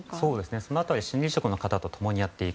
その辺り心理職の方と共にやっていく。